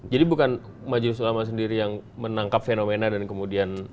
jadi bukan majelis ulama sendiri yang menangkap fenomena dan kemudian